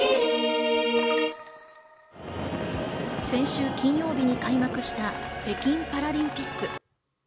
先週金曜日に開幕した北京パラリンピック。